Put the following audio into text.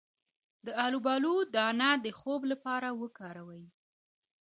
د الوبالو دانه د خوب لپاره وکاروئ